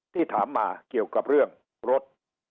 ถามมาเกี่ยวกับเรื่องรถ